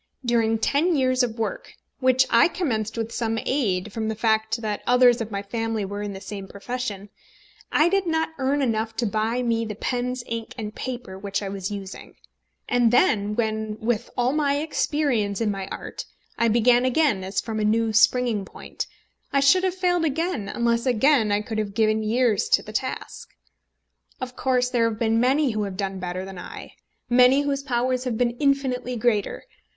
During ten years of work, which I commenced with some aid from the fact that others of my family were in the same profession, I did not earn enough to buy me the pens, ink, and paper which I was using; and then when, with all my experience in my art, I began again as from a new springing point, I should have failed again unless again I could have given years to the task. Of course there have been many who have done better than I, many whose powers have been infinitely greater.